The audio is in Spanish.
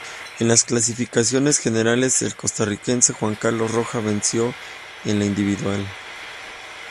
En las clasificaciones generales, el costarricense Juan Carlos Rojas venció en la individual.